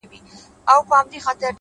مينه كي هېره _